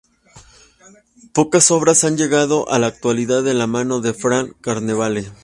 Pocas obras han llegado a la actualidad de la mano de Fra Carnevale.